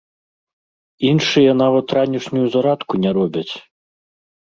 Іншыя нават ранішнюю зарадку не робяць!